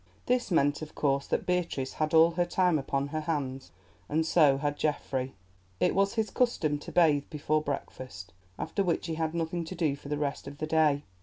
This meant, of course, that Beatrice had all her time upon her hands. And so had Geoffrey. It was his custom to bathe before breakfast, after which he had nothing to do for the rest of the day.